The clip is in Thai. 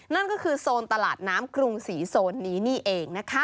นั่นก็คือโซนตลาดน้ำกรุงศรีโซนนี้นี่เองนะคะ